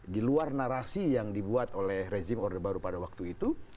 di luar narasi yang dibuat oleh rezim orde baru pada waktu itu